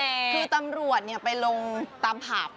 คือตำรวจเนี่ยไปลงตามหับ